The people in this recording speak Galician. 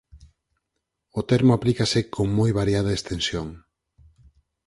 O termo aplícase con moi variada extensión.